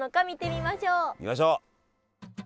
見ましょう！